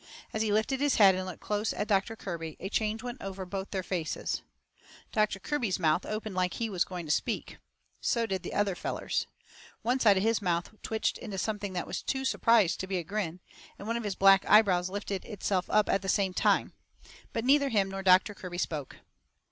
As he lifted his head and looked close at Doctor Kirby, a change went over both their faces. Doctor Kirby's mouth opened like he was going to speak. So did the other feller's. One side of his mouth twitched into something that was too surprised to be a grin, and one of his black eyebrows lifted itself up at the same time. But neither him nor Doctor Kirby spoke.